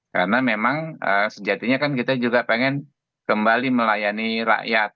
karena memang sejatinya kan kita juga pengen kembali melayani rakyat